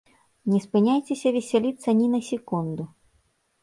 Не спыняйцеся весяліцца ні на секунду!